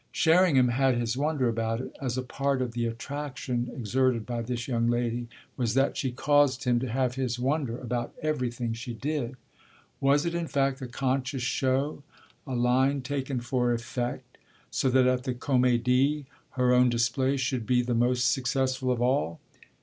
Sherringham had his wonder about it, as a part of the attraction exerted by this young lady was that she caused him to have his wonder about everything she did. Was it in fact a conscious show, a line taken for effect, so that at the Comédie her own display should be the most successful of all?